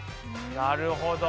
なるほど。